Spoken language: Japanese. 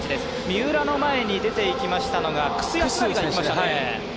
三浦の前に出てきましたのが楠康成が行きました。